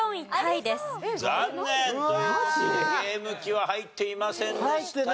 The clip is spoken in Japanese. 残念！という事でゲーム機は入っていませんでした。